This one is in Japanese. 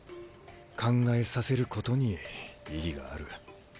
考えさせることに意義がある。